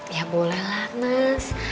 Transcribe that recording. ya boleh lah mas